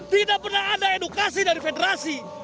tidak pernah ada edukasi dari federasi